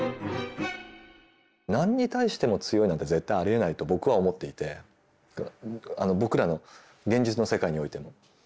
何に対しても強いなんて絶対ありえないと僕は思っていて僕らの現実の世界においても。